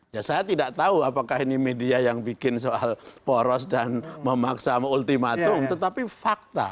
ya saya tidak tahu apakah ini media yang bikin soal poros dan memaksa mengultimatum tetapi fakta